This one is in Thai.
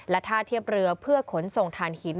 และท่าเทียบเรือเพื่อขนส่งฐานหิน